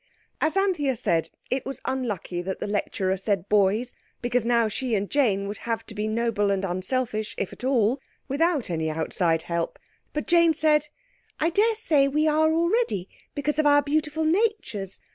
As Anthea said, it was unlucky that the lecturer said boys, because now she and Jane would have to be noble and unselfish, if at all, without any outside help. But Jane said, "I daresay we are already because of our beautiful natures.